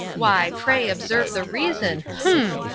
Why, pray observe the reason—Hem!